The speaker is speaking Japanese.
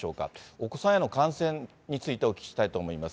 お子さんへの感染について、お聞きしたいと思います。